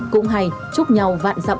cũng hay chúc nhau vạn dặm